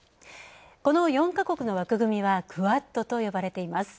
この４か国の枠組みはＱｕａｄと呼ばれています。